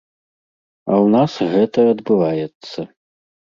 А ў нас гэта адбываецца.